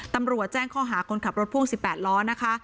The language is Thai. ตำรวจแจ้งข้อหาคนขับรถพ่วง๑๘ล้อนะคะ